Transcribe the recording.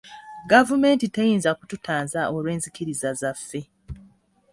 Gavumenti teyinza kututanza olw'enzikiriza zaffe.